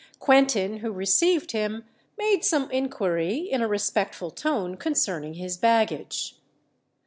Quentin, who received him, made some inquiry in a respectful tone concerning his baggage.